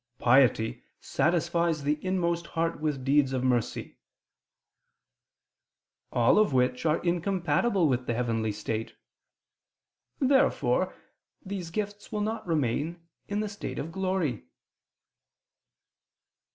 . piety satisfies the inmost heart with deeds of mercy," all of which are incompatible with the heavenly state. Therefore these gifts will not remain in the state of glory.